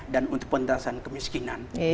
dan untuk pentasan kemiskinan